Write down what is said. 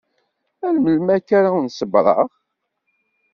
Ar melmi akka ara wen-ṣebreɣ?